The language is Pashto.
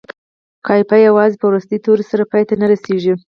قافیه یوازې په وروستي توري سره پای ته نه رسيږي.